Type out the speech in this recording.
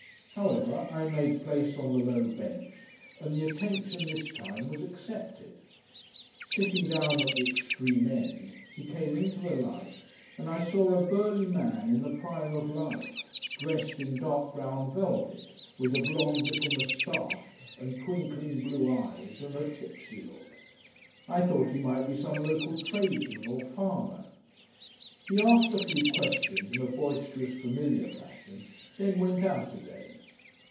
However, I made place on the low bench, and the attention this time was accepted. Sitting down at the extreme end, he came into the light, and I saw a burly man in the prime of life, dressed in dark brown velvet, with a blond little moustache and twinkling blue eyes and a tipsy look. I thought he might be some local tradesman or farmer. He asked a few questions, in a boisterous familiar fashion, then went out again.